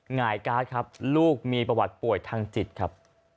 หงายการ์ดครับลูกมีประวัติป่วยทางจิตครับ